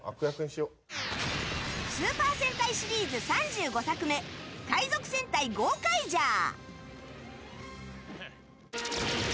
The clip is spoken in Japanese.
スーパー戦隊シリーズ３５作目「海賊戦隊ゴーカイジャー」。